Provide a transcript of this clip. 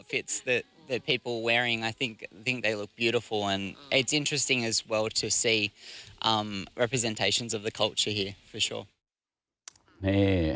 เกิดมีพื้นทางพูดดีใจเป็นทางที่กลายสำคัญ